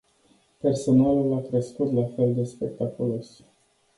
Personalul a crescut la fel de spectaculos.